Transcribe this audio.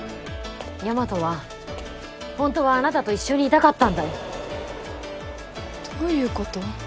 大和はホントはあなたと一緒にいたかったんだよどういうこと？